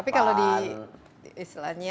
tapi kalau di